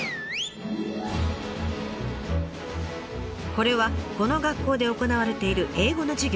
これはこの学校で行われている英語の授業。